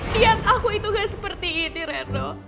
yang aku itu gak seperti ini reno